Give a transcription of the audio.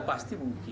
oh pasti mungkin